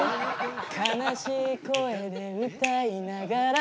「悲しい声で歌いながら」